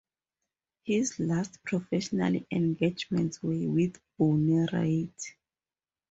His last professional engagements were with Bonnie Raitt.